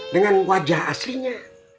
dengan wajah aslinya